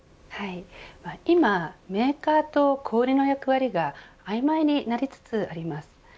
今、メーカーと小売の役割が曖昧になりつつあります。